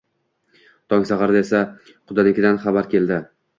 Tong saharda esa qudanikidan xabar keldi